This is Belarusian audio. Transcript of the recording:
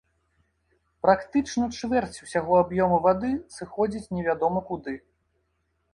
Практычна чвэрць усяго аб'ёму вады сыходзіць невядома куды.